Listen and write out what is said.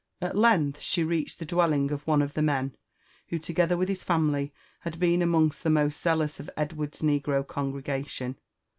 At length she reached the dwelling of one of the men who, together with his family, had been among the most zealous of Edward s negro congregation.